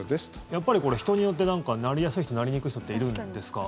やっぱりこれ人によってなりやすい人、なりにくい人っているんですか？